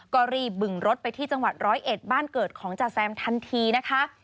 ก็รีบบึงรถไปที่จังหวัดร้อยเอ็ดบ้านเกิดของจาแซมทันทีนะคะ